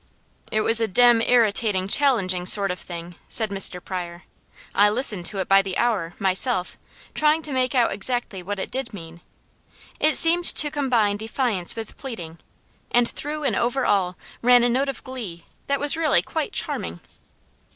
"It was a dem irritating, challenging sort of thing," said Mr. Pryor. "I listened to it by the hour, myself, trying to make out exactly what it did mean. It seemed to combine defiance with pleading, and through and over all ran a note of glee that was really quite charming."